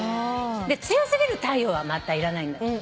強すぎる太陽はいらないんだって。